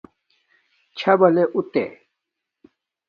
چاݵے لے آُتے